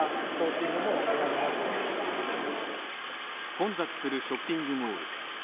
混雑するショッピングモール。